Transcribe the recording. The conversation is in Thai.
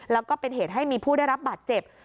แล้วก็เป็นเหตุให้มีผู้ได้รับบาดเจ็บ